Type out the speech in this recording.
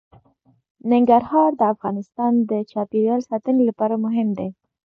ننګرهار د افغانستان د چاپیریال ساتنې لپاره مهم دي.